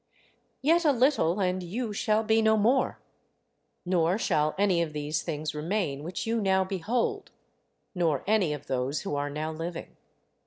Yet a little, and you shall be no more; nor shall any of these things remain which you now behold, nor any of those who are now living.